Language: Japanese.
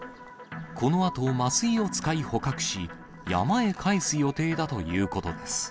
このあと麻酔を使い捕獲し、山へ返す予定だということです。